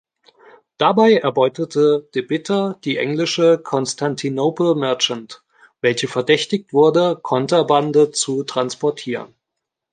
Dabei erbeutete De Bitter die englische "Constantinople Merchant", welche verdächtigt wurde Konterbande zu transportieren.